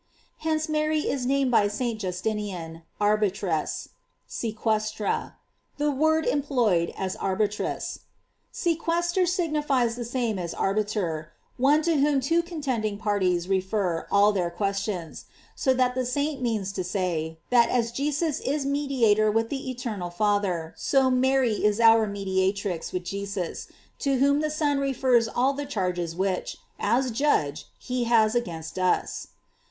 f Hence Mary is named by St. Justin ian, Arbitress: "Sequestra." The Word em ployed as arbitress.J Sequester signifies the same as arbiter, one to whom two contending parties refer all their questions; so that the saint means to say, that as Jesus is mediator with the eternal Father, so Mary is our media trix with Jesus, to whom the Son refers all the charges which, as judge he has against us.